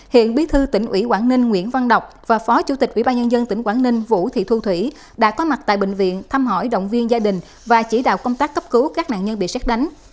hiện bí thư tỉnh ủy quảng ninh nguyễn văn đọc và phó chủ tịch ubnd tỉnh quảng ninh vũ thị thu thủy đã có mặt tại bệnh viện thăm hỏi động viên gia đình và chỉ đạo công tác cấp cứu các nạn nhân bị sát đánh